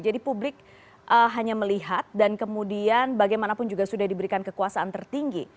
jadi publik hanya melihat dan kemudian bagaimanapun juga sudah diberikan kekuasaan tertinggi